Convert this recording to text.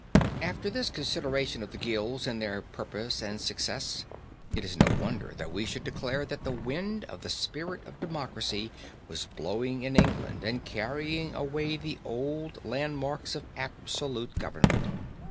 After this consideration of the guilds and their purpose and success, it is no wonder that we should declare that the wind of the spirit of democracy was blowing in England and carrying away the old landmarks of absolute government.